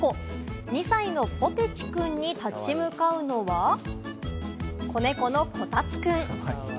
２歳のぽてちくんに立ち向かうのは子猫のこたつくん。